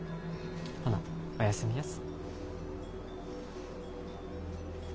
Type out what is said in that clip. ほなおやすみやす。